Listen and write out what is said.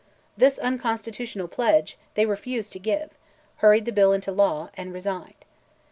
This unconstitutional pledge they refused to give, hurried the bill into law, and resigned.